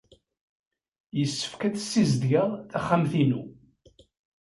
Yessefk ad ssizedgeɣ taxxamt-inu.